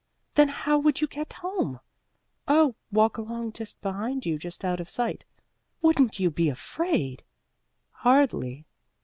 "Then how would you get home?" "Oh, walk along behind you, just out of sight." "Wouldn't you be afraid?" "Hardly."